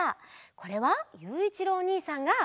これはゆういちろうおにいさんが。